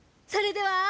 それでは。